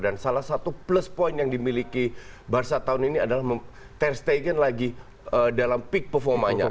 dan salah satu plus point yang dimiliki barca tahun ini adalah terstegen lagi dalam peak performanya